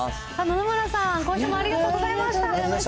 野々村さん、ありがとうございました。